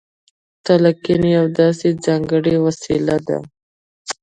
تلقين يوه داسې ځانګړې وسيله ده.